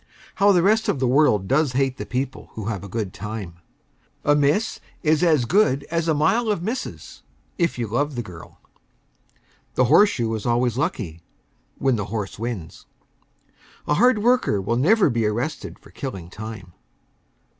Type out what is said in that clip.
How the rest of the world does hate the people who have a good time. A Miss is as good as a mile of Misses if you love the girl. The horseshoe is always lucky when the horse wins. A hard worker will never be arrested for killing time.